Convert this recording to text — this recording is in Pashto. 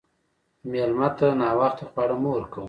مېلمه ته ناوخته خواړه مه ورکوه.